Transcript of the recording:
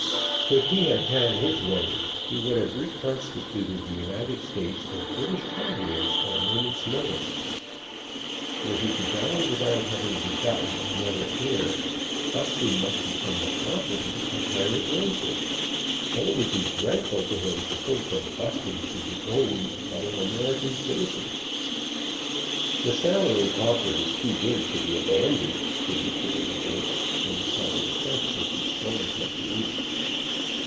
Could he have had his way, he would have reconstituted the United States as British Colonies at a moment's notice. Were he to die without having begotten another heir, Buston must become the property of Harry Annesley; and it would be dreadful to him to think that Buston should be owned by an American citizen. "The salary offered is too good to be abandoned," said Mr. Annesley, when he saw the effect which his story had produced.